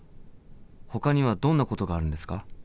ほかにはどんなことがあるんですか？